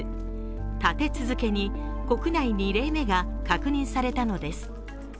立て続けに国内２例目が確認されたのです。